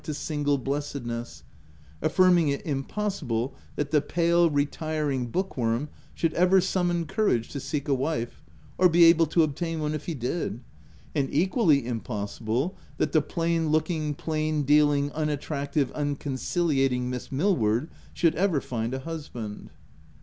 225 to single blessedness; affirming it impossible that the pale, retiring bookworm should ever summon courage to seek a wife, or be able to obtain one if he did, and equally impossible that the plain looking, plain dealing, unattractive, unconciliating Miss Millward should ever find a husband.